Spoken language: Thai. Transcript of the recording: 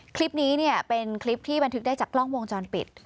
คลิปนี้เนี่ยเป็นคลิปที่บันทึกได้จากกล้องวงจรปิด